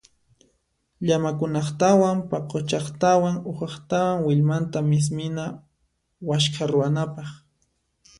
Llamakunaqtawan paquchaqtawan uhaqtawan willmanta mismina waskha ruwanapaq.